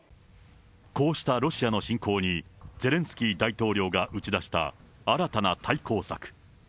こうしたロシアの侵攻に、ゼレンスキー大統領が打ち出した新たな対抗策。